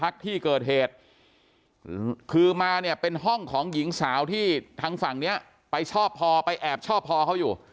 ที่เกิดเหตุคือมาเนี่ยเป็นห้องของหญิงสาวที่ทางฝั่งเนี้ยไปชอบพอไปแอบชอบพอเขาอยู่